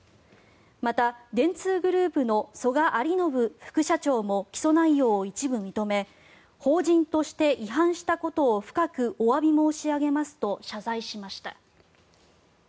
また、電通グループの曽我有信副社長も起訴内容を一部認め法人として違反したことを深くおわび申し上げますと謝罪しました。